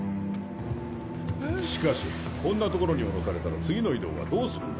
しかしこんな所に降ろされたら次の移動はどうするんだ？